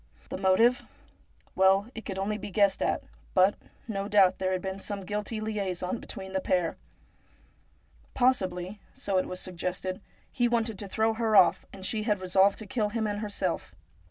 The motive ? Well, it could only be guessed at ; but, no doubt, there had been some guilty liaison between the pair. Possibly — so it was suggested — he wanted to throw her off, and she had re solved to kill him and herself.